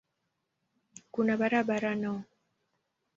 Kuna barabara no.